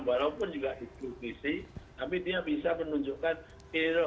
walaupun juga dikritisi tapi dia bisa menunjukkan zero